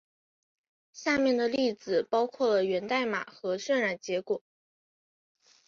下面的例子包括了源代码和渲染结果。